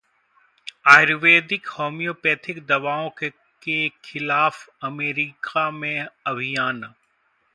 Ayurvedic, homeopathic दवाओं के खिलाफ अमेरिका में अभियान